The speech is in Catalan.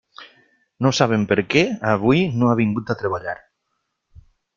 No sabem per què avui no ha vingut a treballar.